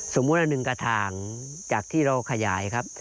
สมมุติเราหนึ่งกระถางจากที่เราขยายครับ